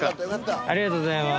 ありがとうございます